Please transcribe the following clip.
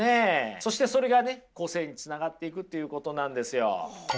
そしてそれがね個性につながっていくっていうことなんですよ。